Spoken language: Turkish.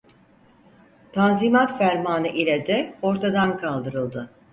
Tanzimat Fermanı ile de ortadan kaldırıldı.